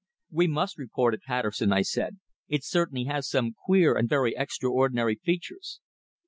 "We must report it, Patterson," I said. "It certainly has some queer and very extraordinary features."